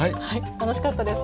楽しかったです。